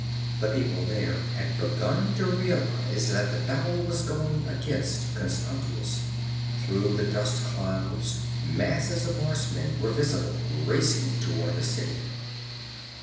The people there had begun to realize that the battle was going against Constantius. Through the dust clouds masses of horsemen were visible, racing toward the city.